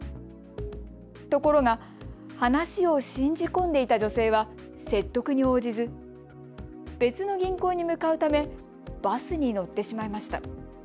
ところが話を信じ込んでいた女性は説得に応じず別の銀行に向かうためバスに乗ってしまいました。